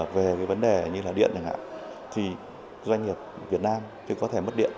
về cái vấn đề như là điện thì doanh nghiệp việt nam thì có thể mất điện